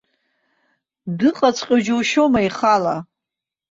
Дыҟаҵәҟьоу џьушьома ихала!